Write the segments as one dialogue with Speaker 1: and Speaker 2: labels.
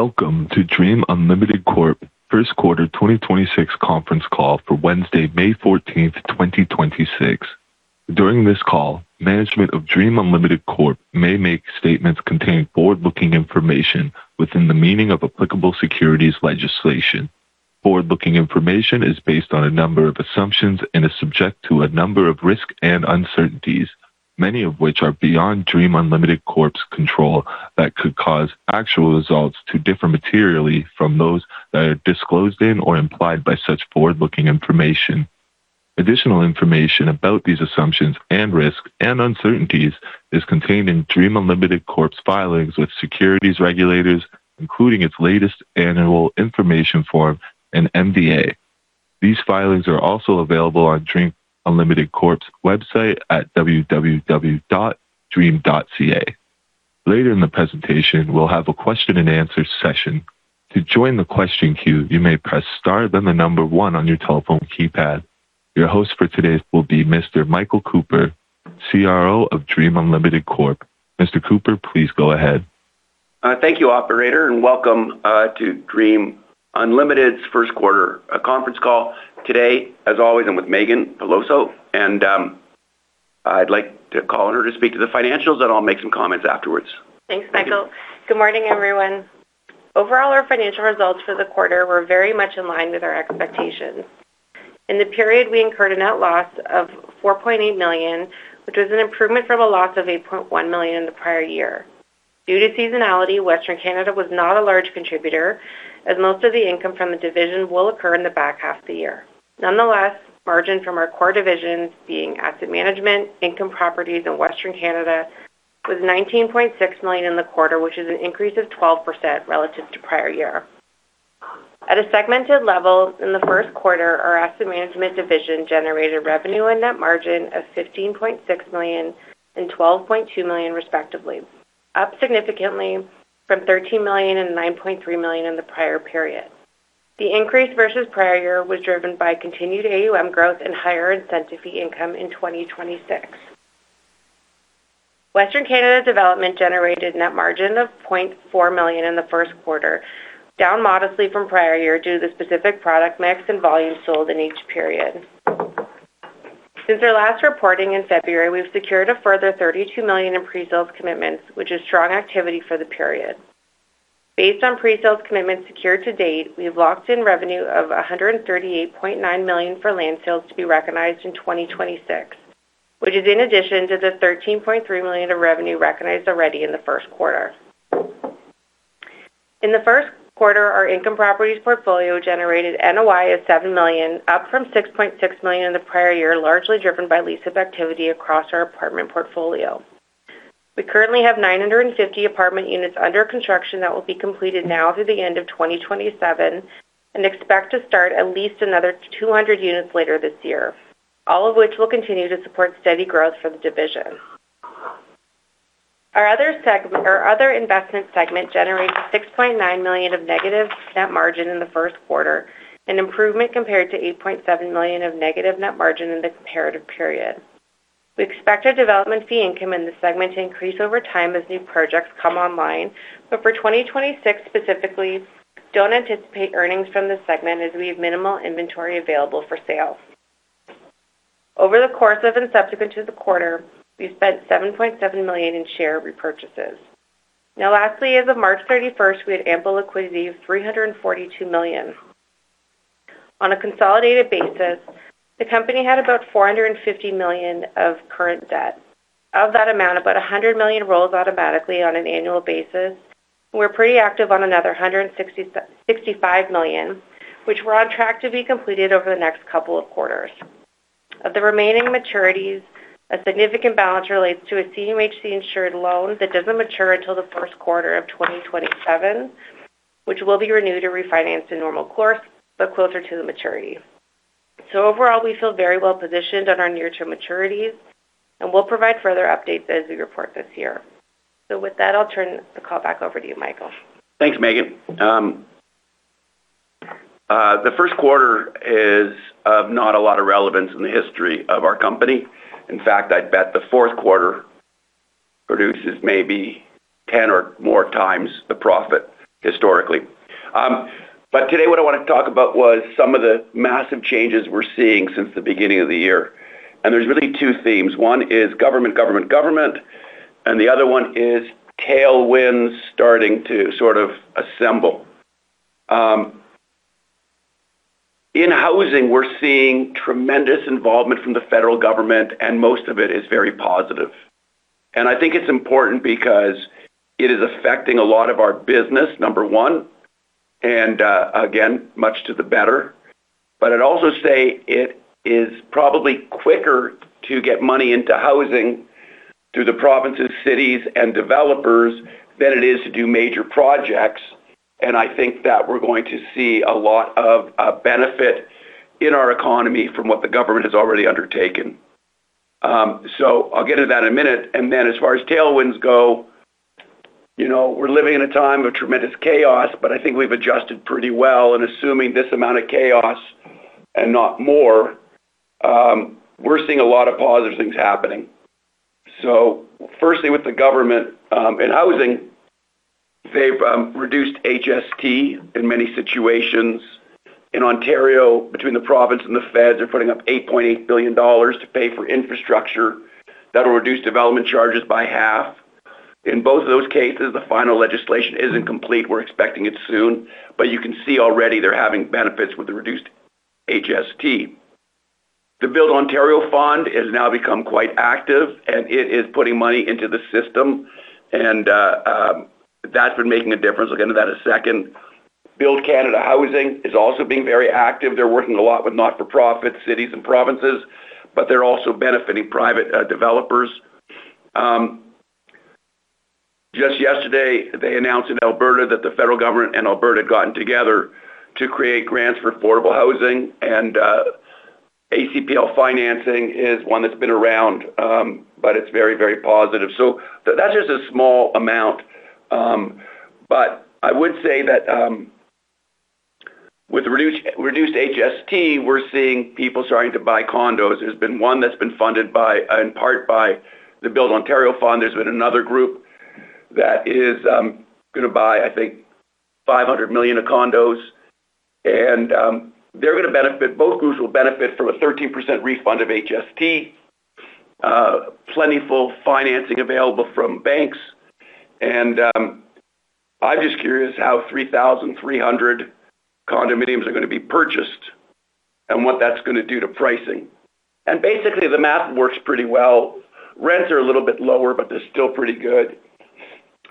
Speaker 1: Welcome to Dream Unlimited Corp first quarter 2026 conference call for Wednesday, May 14th, 2026. During this call, management of Dream Unlimited Corp may make statements containing forward-looking information within the meaning of applicable securities legislation. Forward-looking information is based on a number of assumptions and is subject to a number of risks and uncertainties, many of which are beyond Dream Unlimited Corp's control that could cause actual results to differ materially from those that are disclosed in or implied by such forward-looking information. Additional information about these assumptions and risks and uncertainties is contained in Dream Unlimited Corp's filings with securities regulators, including its latest annual information form and MD&A. These filings are also available on Dream Unlimited Corp's website at www.dream.ca. Later in the presentation, we'll have a question-and-answer session. To join the question queue, you may press star then the number one on your telephone keypad. Your host for today will be Mr. Michael Cooper, CRO of Dream Unlimited Corp. Mr. Cooper, please go ahead.
Speaker 2: Thank you, operator, and welcome to Dream Unlimited's first quarter conference call. Today, as always, I'm with Meaghan Peloso, and I'd like to call on her to speak to the financials, then I'll make some comments afterwards.
Speaker 3: Thanks, Michael. Good morning, everyone. Overall, our financial results for the quarter were very much in line with our expectations. In the period, we incurred a net loss of 4.8 million, which was an improvement from a loss of 8.1 million in the prior year. Due to seasonality, Western Canada was not a large contributor as most of the income from the division will occur in the back half of the year. Nonetheless, margin from our core divisions, being asset management, income properties in Western Canada, was 19.6 million in the quarter, which is an increase of 12% relative to prior year. At a segmented level, in the first quarter, our Asset Management Division generated revenue and net margin of 15.6 million and 12.2 million respectively, up significantly from 13 million and 9.3 million in the prior period. The increase versus prior year was driven by continued AUM growth and higher incentive fee income in 2026. Western Canada Development generated net margin of 0.4 million in the first quarter, down modestly from prior year due to the specific product mix and volume sold in each period. Since our last reporting in February, we've secured a further 32 million in presales commitments, which is strong activity for the period. Based on presales commitments secured to date, we have locked in revenue of 138.9 million for land sales to be recognized in 2026, which is in addition to the 13.3 million of revenue recognized already in the first quarter. In the first quarter, our income properties portfolio generated NOI of 7 million, up from 6.6 million in the prior year, largely driven by lease-up activity across our apartment portfolio. We currently have 950 apartment units under construction that will be completed now through the end of 2027 and expect to start at least another 200 units later this year, all of which will continue to support steady growth for the division. Our other investment segment generated 6.9 million of negative net margin in the first quarter, an improvement compared to 8.7 million of negative net margin in the comparative period. We expect our development fee income in this segment to increase over time as new projects come online. For 2026 specifically, don't anticipate earnings from this segment as we have minimal inventory available for sale. Over the course of and subsequent to the quarter, we spent 7.7 million in share repurchases. Lastly, as of March 31st, we had ample liquidity of 342 million. On a consolidated basis, the company had about 450 million of current debt. Of that amount, about 100 million rolls automatically on an annual basis. We're pretty active on another 165 million, which we're on track to be completed over the next couple of quarters. Of the remaining maturities, a significant balance relates to a CMHC-insured loan that doesn't mature until the first quarter of 2027, which will be renewed or refinanced in normal course, but closer to the maturity. Overall, we feel very well positioned on our near-term maturities, and we'll provide further updates as we report this year. With that, I'll turn the call back over to you, Michael.
Speaker 2: Thanks, Meaghan. The first quarter is of not a lot of relevance in the history of our company. In fact, I'd bet the fourth quarter produces maybe 10 or more times the profit historically. Today what I wanna talk about was some of the massive changes we're seeing since the beginning of the year. There's really two themes. One is government, government, government, and the other one is tailwinds starting to sort of assemble. In housing, we're seeing tremendous involvement from the federal government, and most of it is very positive. I think it's important because it is affecting a lot of our business, number one, and again, much to the better. I'd also say it is probably quicker to get money into housing through the provinces, cities, and developers than it is to do major projects, and I think that we're going to see a lot of benefit in our economy from what the government has already undertaken. I'll get to that in a minute. As far as tailwinds go, you know, we're living in a time of tremendous chaos, but I think we've adjusted pretty well in assuming this amount of chaos and not more. We're seeing a lot of positive things happening. Firstly, with the government, in housing, they've reduced HST in many situations. In Ontario, between the province and the feds, they're putting up 8.8 billion dollars to pay for infrastructure. That'll reduce development charges by half. In both of those cases, the final legislation isn't complete. We're expecting it soon. You can see already they're having benefits with the reduced HST. The Building Ontario Fund has now become quite active, and it is putting money into the system, and that's been making a difference. We'll get into that in a second. Build Canada Housing is also being very active. They're working a lot with not-for-profit cities and provinces, but they're also benefiting private developers. Just yesterday, they announced in Alberta that the federal government and Alberta had gotten together to create grants for affordable housing, and ACLP financing is one that's been around, but it's very, very positive. That's just a small amount. I would say that with reduced HST, we're seeing people starting to buy condos. There's been one that's been funded by, in part by the Building Ontario Fund. There's been another group that is gonna buy, I think, 500 million of condos, and they're gonna benefit. Both groups will benefit from a 13% refund of HST, plentiful financing available from banks. I'm just curious how 3,300 condominiums are gonna be purchased and what that's gonna do to pricing. Basically, the math works pretty well. Rents are a little bit lower, but they're still pretty good.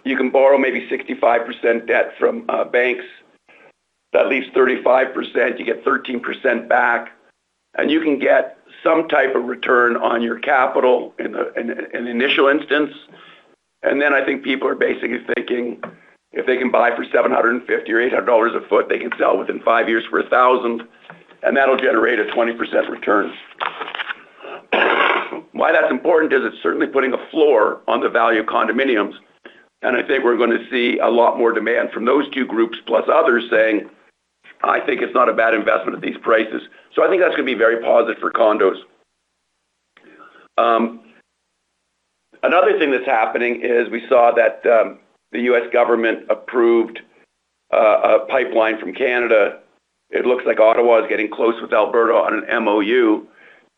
Speaker 2: You can borrow maybe 65% debt from banks. That leaves 35%. You get 13% back, and you can get some type of return on your capital in a initial instance. I think people are basically thinking if they can buy for 750 or 800 dollars a foot, they can sell within five years for 1,000, and that'll generate a 20% return. Why that's important is it's certainly putting a floor on the value of condominiums, and I think we're gonna see a lot more demand from those two groups plus others saying, "I think it's not a bad investment at these prices." I think that's gonna be very positive for condos. Another thing that's happening is we saw that the U.S. government approved a pipeline from Canada. It looks like Ottawa is getting close with Alberta on an MOU,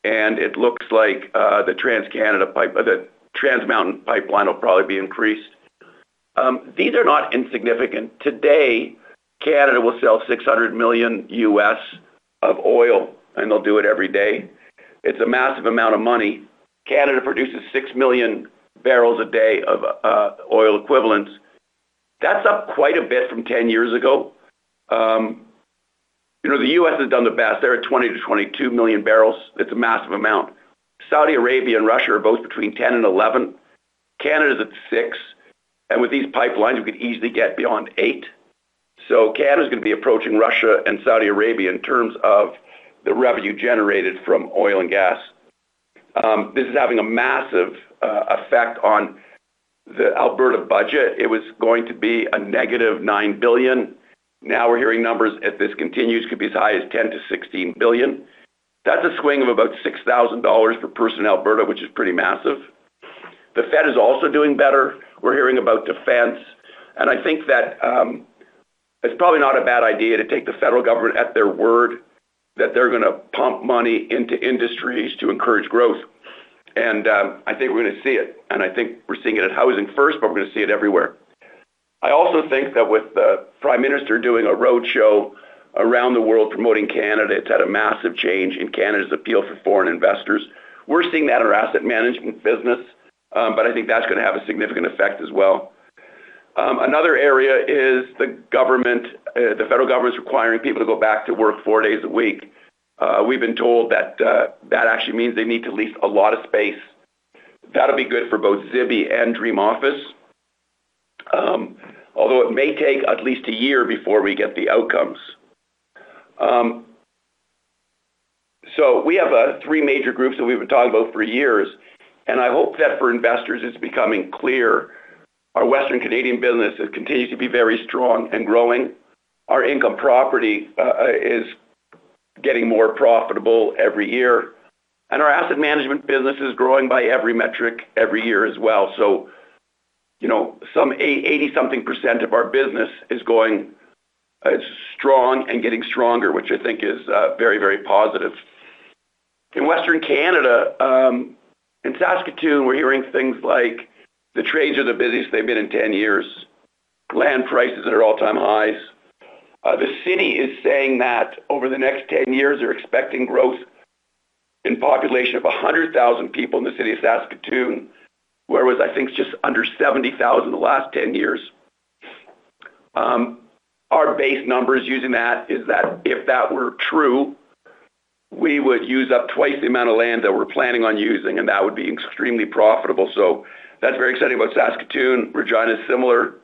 Speaker 2: and it looks like the Trans Mountain pipeline will probably be increased. These are not insignificant. Today, Canada will sell $600 million of oil. They'll do it every day. It's a massive amount of money. Canada produces 6 MMbpd of oil equivalents. That's up quite a bit from 10 years ago. You know, the U.S. has done the best. They're at 20 million-22 million barrels. It's a massive amount. Saudi Arabia and Russia are both between 10 and 11. Canada's at six, with these pipelines, we could easily get beyond eight. Canada's gonna be approaching Russia and Saudi Arabia in terms of the revenue generated from oil and gas. This is having a massive effect on the Alberta budget. It was going to be a -9 billion. Now we're hearing numbers, if this continues, could be as high as 10 billion-16 billion. That's a swing of about 6,000 dollars per person in Alberta, which is pretty massive. The Fed is also doing better. We're hearing about defense, and I think that it's probably not a bad idea to take the federal government at their word that they're gonna pump money into industries to encourage growth. I think we're gonna see it, and I think we're seeing it in housing first, but we're gonna see it everywhere. I also think that with the Prime Minister doing a roadshow around the world promoting Canada, it's had a massive change in Canada's appeal for foreign investors. We're seeing that in our asset management business, but I think that's gonna have a significant effect as well. Another area is the government, the federal government is requiring people to go back to work four days a week. We've been told that actually means they need to lease a lot of space. That'll be good for both Zibi and Dream Office, although it may take at least a year before we get the outcomes. We have three major groups that we've been talking about for years. I hope that for investors it's becoming clear. Our Western Canadian business continues to be very strong and growing. Our income property is getting more profitable every year, and our asset management business is growing by every metric every year as well. You know, some 80% something of our business is going strong and getting stronger, which I think is very, very positive. In Western Canada, in Saskatoon, we're hearing things like the trades are the busiest they've been in 10 years. Land prices are at all-time highs. The city is saying that over the next 10 years, they're expecting growth in population of 100,000 people in the City of Saskatoon, whereas I think it's just under 70,000 the last 10 years. Our base numbers using that is that if that were true, we would use up twice the amount of land that we're planning on using. That would be extremely profitable. That's very exciting about Saskatoon. Regina is similar.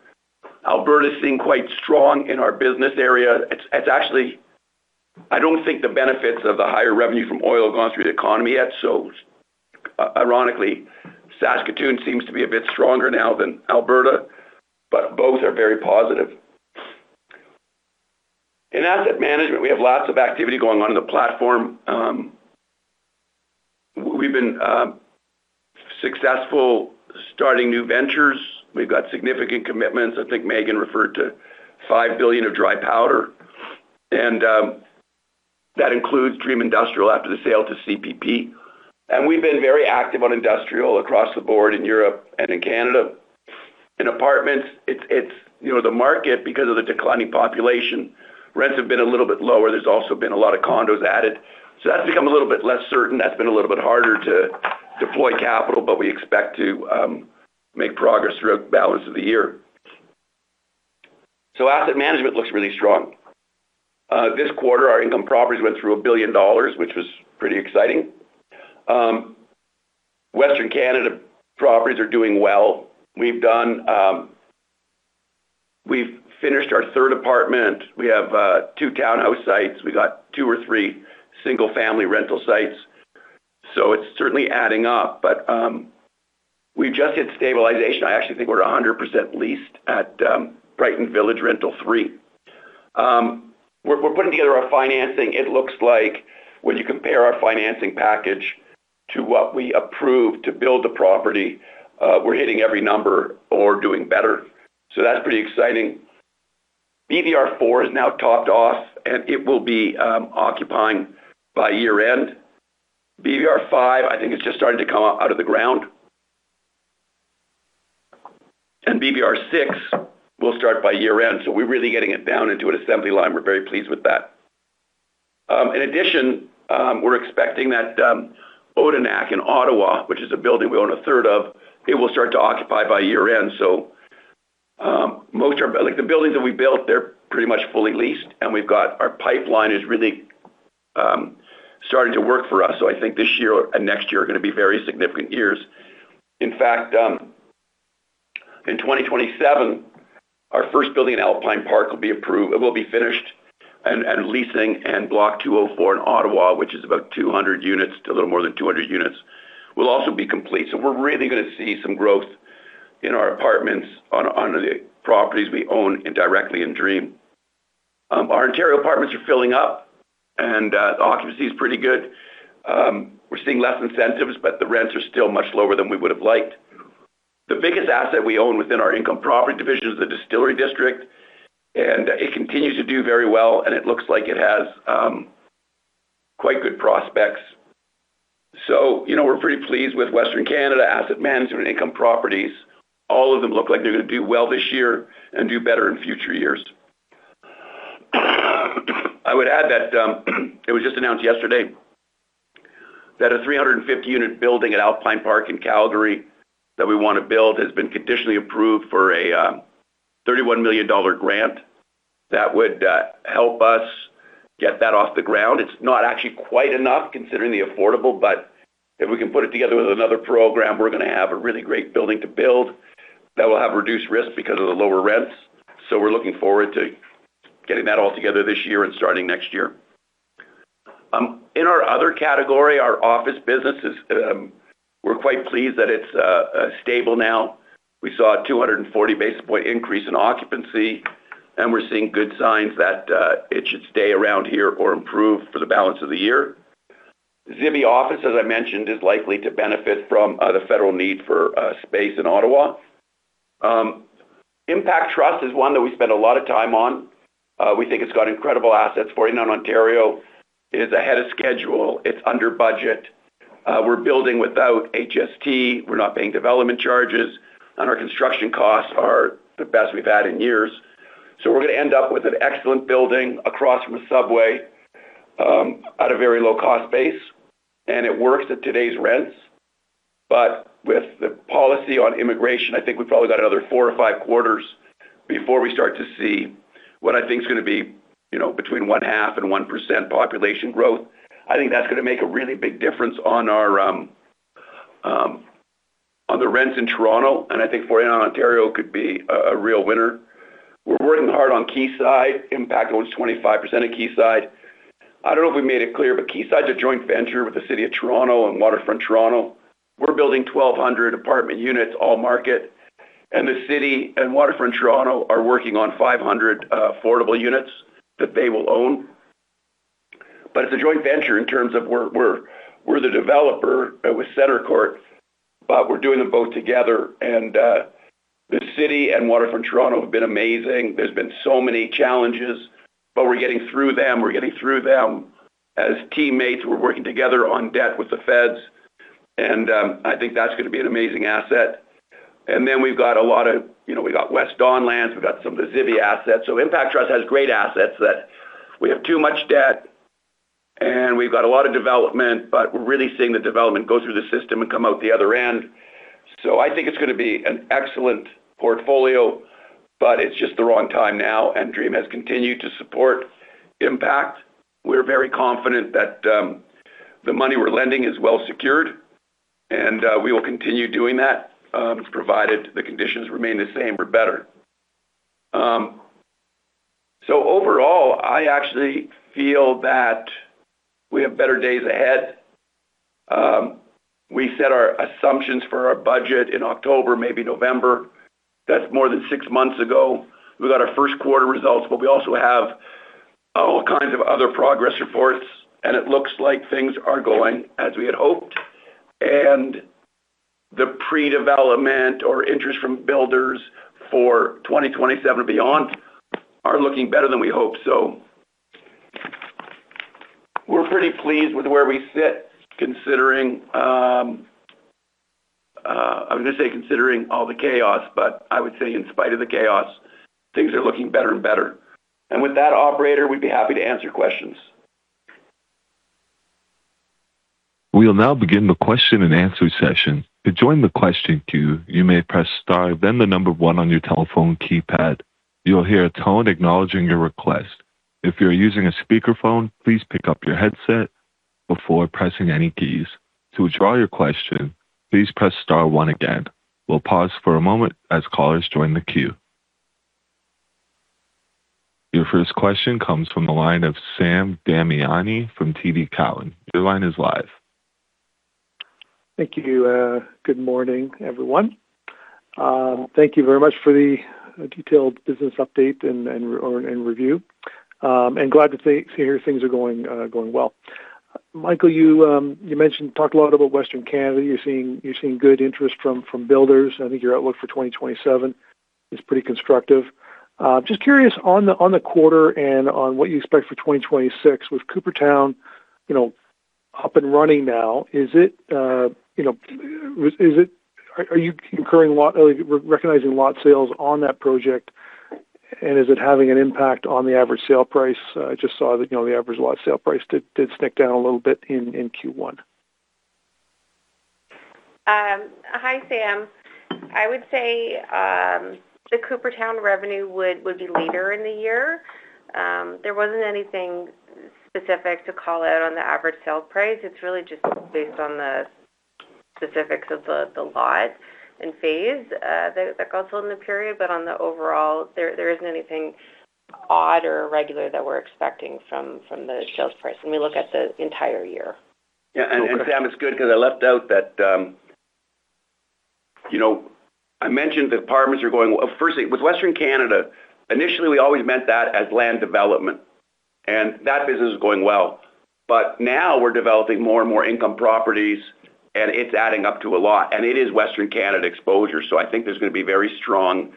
Speaker 2: Alberta is seeing quite strong in our business area. It's actually I don't think the benefits of the higher revenue from oil have gone through the economy yet. Ironically, Saskatoon seems to be a bit stronger now than Alberta. Both are very positive. In asset management, we have lots of activity going on in the platform. We've been successful starting new ventures. We've got significant commitments. I think Meaghan referred to 5 billion of dry powder, and that includes Dream Industrial after the sale to CPP. We've been very active on industrial across the board in Europe and in Canada. In apartments, it's, you know, the market, because of the declining population, rents have been a little bit lower. There's also been a lot of condos added. That's become a little bit less certain. That's been a little bit harder to deploy capital, but we expect to make progress throughout the balance of the year. Asset management looks really strong. This quarter, our income properties went through 1 billion dollars, which was pretty exciting. Western Canada properties are doing well. We've finished our third apartment. We have two townhouse sites. We got two or three single-family rental sites. It's certainly adding up. We've just hit stabilization. I actually think we're at 100% leased at Brighton Village Rental 3. We're putting together our financing. It looks like when you compare our financing package to what we approved to build the property, we're hitting every number or doing better. That's pretty exciting. BVR 4 is now topped off, and it will be occupying by year-end. BVR 5, I think it's just starting to come out of the ground. BVR 6 will start by year-end. We're really getting it down into an assembly line. We're very pleased with that. In addition, we're expecting that Odenak in Ottawa, which is a building we own a third of, it will start to occupy by year-end. Like the buildings that we built, they're pretty much fully leased, and our pipeline is really starting to work for us. I think this year and next year are going to be very significant years. In fact, in 2027, our first building in Alpine Park will be approved. It will be finished and leasing and Block 204 in Ottawa, which is about 200 units to a little more than 200 units, will also be complete. We're really going to see some growth in our apartments on the properties we own directly in Dream. Our Ontario apartments are filling up and the occupancy is pretty good. We're seeing less incentives, but the rents are still much lower than we would have liked. The biggest asset we own within our income property division is the Distillery District, and it continues to do very well, and it looks like it has quite good prospects. You know, we're pretty pleased with Western Canada Asset Management Income Properties. All of them look like they're gonna do well this year and do better in future years. I would add that it was just announced yesterday that a 350 unit building at Alpine Park in Calgary that we want to build has been conditionally approved for a 31 million dollar grant that would help us get that off the ground. It's not actually quite enough considering the affordable, but if we can put it together with another program, we're gonna have a really great building to build that will have reduced risk because of the lower rents. We're looking forward to getting that all together this year and starting next year. In our other category, our office business We're quite pleased that it's stable now. We saw a 240 basis point increase in occupancy, and we're seeing good signs that it should stay around here or improve for the balance of the year. Zibi Office, as I mentioned, is likely to benefit from the federal need for space in Ottawa. Impact Trust is one that we spend a lot of time on. We think it's got incredible assets. 49 Ontario is ahead of schedule. It's under budget. We're building without HST. We're not paying development charges, and our construction costs are the best we've had in years. We're gonna end up with an excellent building across from a subway at a very low cost base, and it works at today's rents. With the policy on immigration, I think we've probably got another four or five quarters before we start to see what I think is gonna be between 1.5% and 1% population growth. I think that's gonna make a really big difference on our on the rents in Toronto. I think 49 Ontario could be a real winner. We're working hard on Quayside. Impact owns 25% of Quayside. I don't know if we made it clear, but Quayside's a joint venture with the City of Toronto and Waterfront Toronto. We're building 1,200 apartment units all market. The City and Waterfront Toronto are working on 500 affordable units that they will own. It's a joint venture in terms of we're the developer with CentreCourt. We're doing them both together. The City and Waterfront Toronto have been amazing. There's been so many challenges. We're getting through them. We're getting through them as teammates. We're working together on debt with the feds. I think that's gonna be an amazing asset. We've got a lot of, you know, we've got West Don Lands, we've got some of the Zibi assets. Impact Trust has great assets that we have too much debt and we've got a lot of development. We're really seeing the development go through the system and come out the other end. I think it's going to be an excellent portfolio, but it's just the wrong time now. Dream has continued to support Impact. We're very confident that the money we're lending is well secured and we will continue doing that provided the conditions remain the same or better. Overall, I actually feel that we have better days ahead. We set our assumptions for our budget in October, maybe November. That's more than six months ago. We got our first quarter results, but we also have all kinds of other progress reports, and it looks like things are going as we had hoped. The pre-development or interest from builders for 2027 and beyond are looking better than we hoped. We're pretty pleased with where we sit, considering, I was gonna say considering all the chaos, but I would say in spite of the chaos, things are looking better and better. With that, operator, we'd be happy to answer questions.
Speaker 1: We'll now begin the question and answer session. To join the question queue, you may press star then the number one on your telephone keypad. You'll hear a tone acknowledging your request. If you're using a speakerphone, please pick up your headset before pressing any keys. To withdraw your question, please press star one again. We'll pause for a moment as callers join the queue. Your first question comes from the line of Sam Damiani from TD Cowen. Your line is live.
Speaker 4: Thank you. Good morning, everyone. Thank you very much for the detailed business update and review. And glad to hear things are going well. Michael, you talked a lot about Western Canada. You're seeing good interest from builders. I think your outlook for 2027 is pretty constructive. Just curious on the quarter and on what you expect for 2026. With Coopertown, you know, up and running now, are you recognizing lot sales on that project, and is it having an impact on the average sale price? I just saw that, you know, the average lot sale price did stick down a little bit in Q1.
Speaker 3: Hi, Sam. I would say the Coopertown revenue would be later in the year. There wasn't anything specific to call out on the average sale price. It's really just based on the specifics of the lot and phase that got sold in the period. On the overall, there isn't anything odd or irregular that we're expecting from the sales price when we look at the entire year.
Speaker 2: Yeah. Sam, it's good because I left out that, you know, I mentioned the apartments are going. Well, firstly, with Western Canada, initially we always meant that as land development, and that business is going well. Now, we're developing more and more income properties, and it's adding up to a lot. It is Western Canada exposure. I think there's gonna be very strong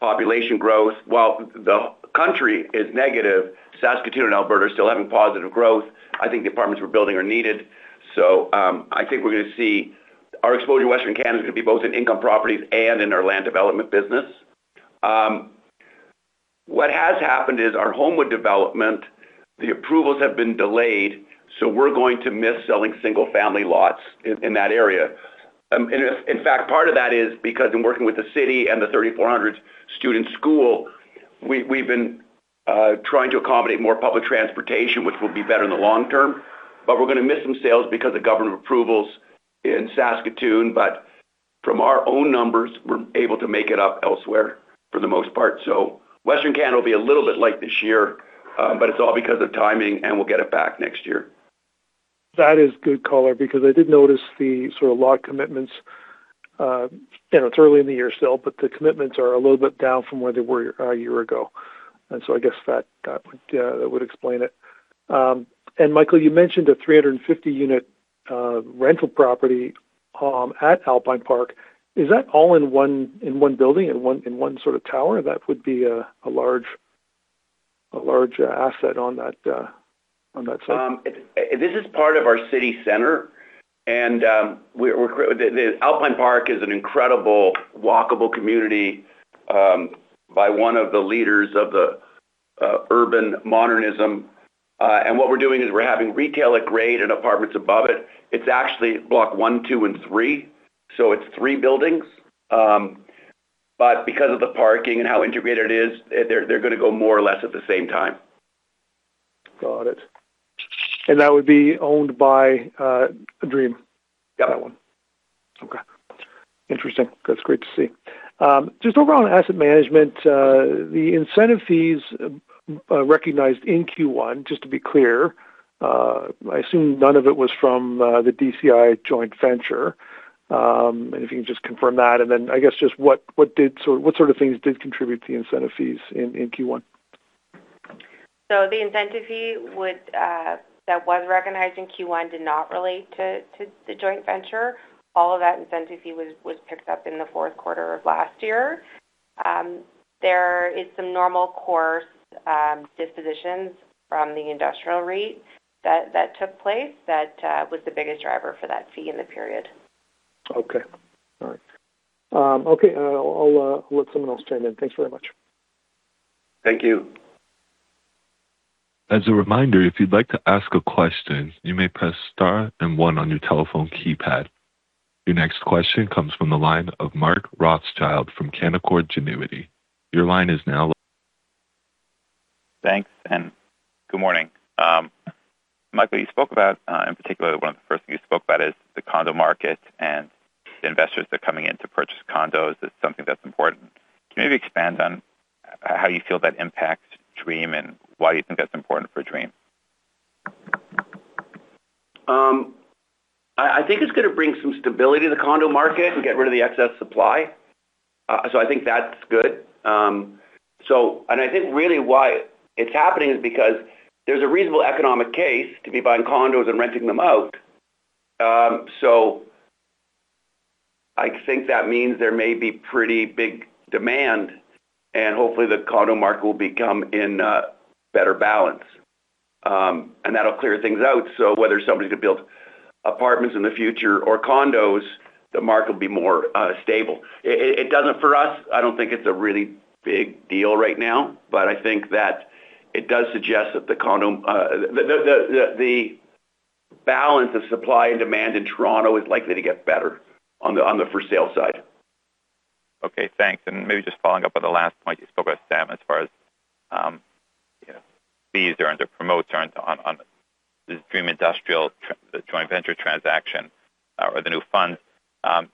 Speaker 2: population growth. While the country is negative, Saskatoon and Alberta are still having positive growth. I think the apartments we're building are needed. I think we're gonna see our exposure to Western Canada is gonna be both in income properties and in our land development business. What has happened is our Holmwood development, the approvals have been delayed. We're going to miss selling single-family lots in that area. In fact, part of that is because in working with the city and the 3,400 student school, we've been trying to accommodate more public transportation, which will be better in the long term. We're gonna miss some sales because of government approvals in Saskatoon. From our own numbers, we're able to make it up elsewhere for the most part. Western Canada will be a little bit light this year, but it's all because of timing, and we'll get it back next year.
Speaker 4: That is good color because I did notice the sort of lot commitments. It's early in the year still, but the commitments are a little bit down from where they were a year ago. I guess that would explain it. Michael, you mentioned a 350 unit rental property at Alpine Park. Is that all in one building, in one sort of tower? That would be a large asset on that site.
Speaker 2: This is part of our city center. The Alpine Park is an incredible walkable community by one of the leaders of the Urban Modernism. What we're doing is we're having retail at grade and apartments above it. It's actually block one, two, and three, so it's three buildings. Because of the parking and how integrated it is, they're gonna go more or less at the same time.
Speaker 4: Got it. That would be owned by Dream?
Speaker 2: Yeah.
Speaker 4: That one. Okay. Interesting. That's great to see. Just overall on asset management, the incentive fees recognized in Q1, just to be clear, I assume none of it was from the DCI Joint Venture? If you can just confirm that, then I guess just what sort of things did contribute to the incentive fees in Q1?
Speaker 3: The incentive fee would that was recognized in Q1 did not relate to the joint venture. All of that incentive fee was picked up in the fourth quarter of last year. There is some normal course dispositions from the industrial REIT that took place that was the biggest driver for that fee in the period.
Speaker 4: Okay. All right. Okay. I'll let someone else chime in. Thanks very much.
Speaker 2: Thank you.
Speaker 1: As a reminder, if you'd like to ask a question, you may press star and then one on your telephone keypad. Your next question comes from the line of Mark Rothschild from Canaccord Genuity. Your line is now-
Speaker 5: Thanks, and good morning. Michael, you spoke about, in particular, one of the first things you spoke about is the condo market and the investors that are coming in to purchase condos. It's something that's important. Can you maybe expand on how you feel that impacts Dream and why you think that's important for Dream?
Speaker 2: I think it's gonna bring some stability to the condo market and get rid of the excess supply. I think that's good. I think really why it's happening is because there's a reasonable economic case to be buying condos and renting them out. I think that means there may be pretty big demand, and hopefully the condo market will become in better balance. That'll clear things out. Whether somebody's gonna build apartments in the future or condos, the market will be more stable. It doesn't for us, I don't think it's a really big deal right now, but I think that it does suggest that the condo, the balance of supply and demand in Toronto is likely to get better on the for sale side.
Speaker 5: Okay, thanks. Maybe just following up on the last point you spoke about, Sam, as far as, you know, fees earned or promotes earned on the Dream Industrial the joint venture transaction or the new funds.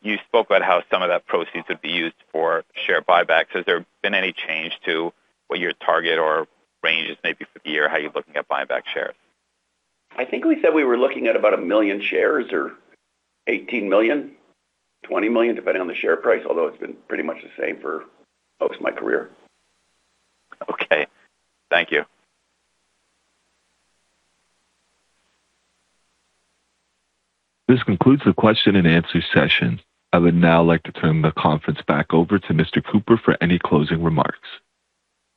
Speaker 5: You spoke about how some of that proceeds would be used for share buybacks. Has there been any change to what your target or range is maybe for the year, how you're looking at buyback shares?
Speaker 2: I think we said we were looking at about a million shares or 18 million, 20 million, depending on the share price, although it's been pretty much the same for most of my career.
Speaker 5: Okay. Thank you.
Speaker 1: This concludes the question and answer session. I would now like to turn the conference back over to Mr. Cooper for any closing remarks.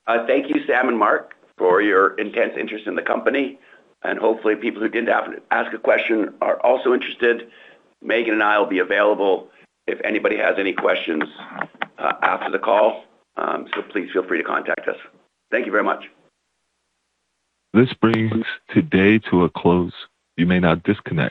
Speaker 2: Thank you, Sam and Mark, for your intense interest in the company, and hopefully people who didn't ask a question are also interested. Meaghan and I will be available if anybody has any questions after the call. Please feel free to contact us. Thank you very much.
Speaker 1: This brings today to a close. You may now disconnect.